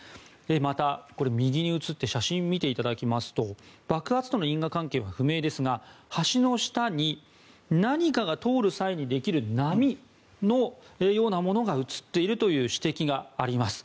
また、右に移って写真を見ていただくと爆発との因果関係は不明ですが橋の下に何かが通る際にできる波のようなものが写っているという指摘があります。